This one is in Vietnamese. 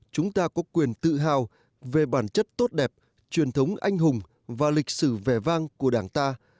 chúng ta có quyền tự hào về bản chất tốt đẹp truyền thống anh hùng và lịch sử vẻ vang của đảng ta